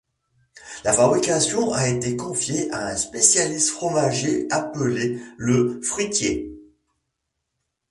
La fabrication a été confiée à un spécialiste fromager appelé le fruitier.